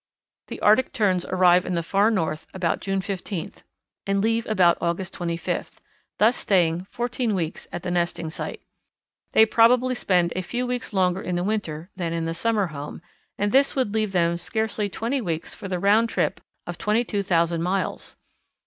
The Arctic Terns arrive in the Far North about June fifteenth and leave about August twenty fifth, thus staying fourteen weeks at the nesting site. They probably spend a few weeks longer in the winter than in the summer home, and this would leave them scarcely twenty weeks for the round trip of twenty two thousand miles.